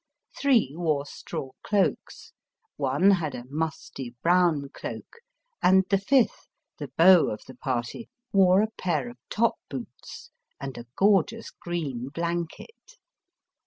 Three wore straw cloaks; one had a musty brown cloak; and the fifth, the beau of the party, wore a pair of top boots and a gorgeous green blanket.